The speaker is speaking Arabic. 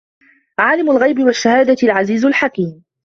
عالِمُ الغَيبِ وَالشَّهادَةِ العَزيزُ الحَكيمُ